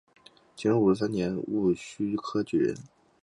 乾隆五十三年戊申恩科举人。